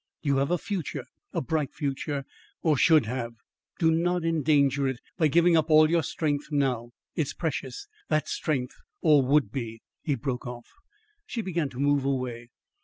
You have a future a bright future or should have. Do not endanger it by giving up all your strength now. It's precious, that strength, or would be " He broke off; she began to move away.